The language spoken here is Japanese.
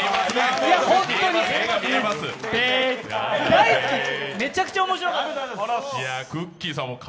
大好き、めちゃくちゃ面白かった。